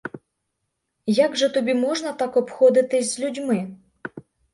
Як же тобі можна так обходитись з людьми?